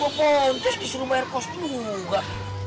lo beli duit gue poncus disuruh bayar kos juga